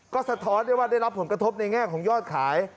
ก็สะท้อนได้ว่าได้รับผลกระทบในแง่ของยอดขาย